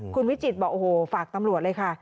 คุณวิจิตรบอกโอ้โหฝากตำรวจเลยค่ะ